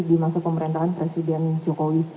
di masa pemerintahan presiden jokowi